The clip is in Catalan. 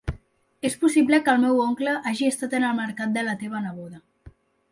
És possible que el meu oncle hagi estat en el mercat de la teva neboda.